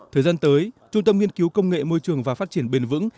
thời gian tới trung tâm nghiên cứu công nghệ môi trường và phát triển bền vững